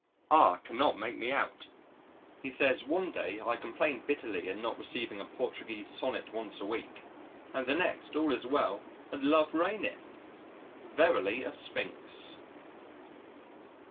R cannot make me out. He says one day I complain bitterly at not receiving a Portuguese sonnet once a week, and the next all is well and Love reigneth. "Verily a Sphinx."